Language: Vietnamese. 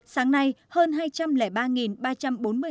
sáng nay hơn hai trăm linh ba ba trăm bốn mươi một học sinh bỏ học